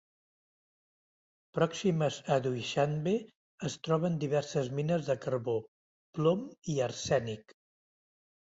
Pròximes a Duixanbe es troben diverses mines de carbó, plom i arsènic.